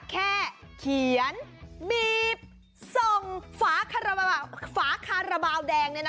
แค่เขียนบีบส่งฝาคาราบาลแดง